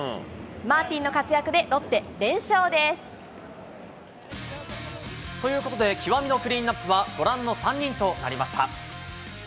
マーティンの活躍でロッテ、ということで、極みのクリーンナップは、ご覧の３人となりました。